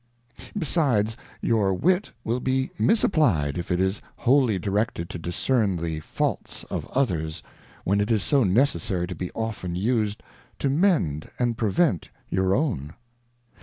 Besides, your Wit will be misapplied if it is wholly directed to discern the Faults of others, when it is so necessary to be often used to mend and prevent your oivn.